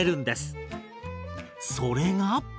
それが。